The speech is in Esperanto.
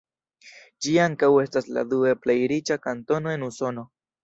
Ĝi ankaŭ estas la due plej riĉa kantono en Usono.